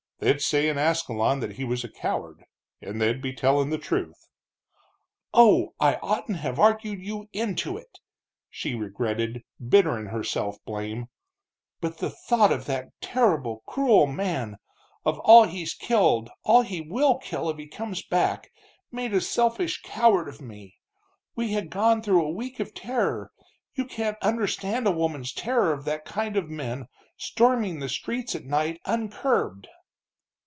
They'd say in Ascalon that he was a coward, and they'd be telling the truth." "Oh! I oughtn't have argued you into it!" she regretted, bitter in her self blame. "But the thought of that terrible, cruel man, of all he's killed, all he will kill if he comes back made a selfish coward of me. We had gone through a week of terror you can't understand a woman's terror of that kind of men, storming the streets at night uncurbed!"